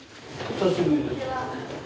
久しぶり。